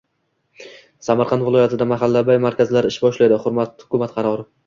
Samarqand viloyatida «mahallabay» markazlari ish boshlaydi – Hukumat qarori